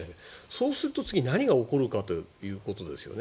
そうすると次に何が起こるかということですよね。